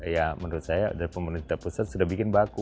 ya menurut saya dari pemerintah pusat sudah bikin baku